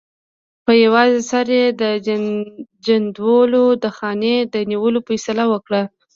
په یوازې سر یې د جندول د خانۍ د نیولو فیصله وکړه.